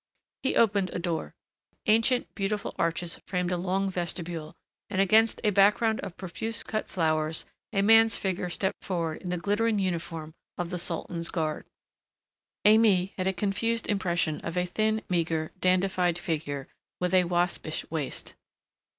He opened a door. Ancient, beautiful arches framed a long vestibule and against a background of profuse cut flowers a man's figure stepped forward in the glittering uniform of the Sultan's guard. Aimée had a confused impression of a thin, meager, dandified figure with a waspish waist